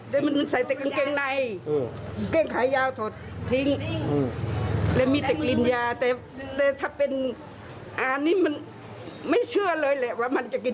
แดงข่ายร่ามอุบัติกปาหลานอาจจะเป็นประภาคอินทรีย์